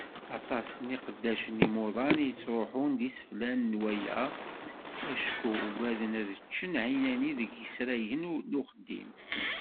Aṭas n yiqeddacen imuḍan i yettruḥun d iseflan n waya acku uggaden ad ččen ɛinani deg yisragen n uxeddim.